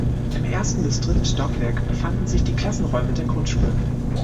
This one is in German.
Im ersten bis dritten Stockwerk befanden sich die Klassenräume der Grundschule.